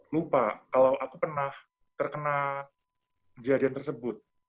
lupa kalau aku pernah terkena kejadian tersebut